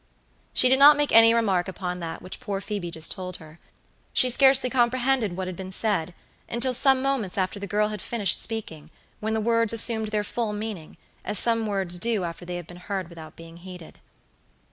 She did not make any remark upon that which poor Phoebe just told her; she scarcely comprehended what had been said, until some moments after the girl had finished speaking, when the words assumed their full meaning, as some words do after they have been heard without being heeded.